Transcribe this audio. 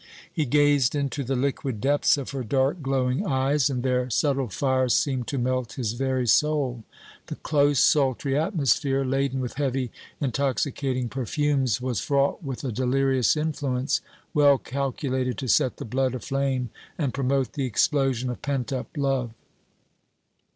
He gazed into the liquid depths of her dark, glowing eyes and their subtile fire seemed to melt his very soul. The close, sultry atmosphere, laden with heavy, intoxicating perfumes, was fraught with a delirious influence well calculated to set the blood aflame and promote the explosion of pent up love.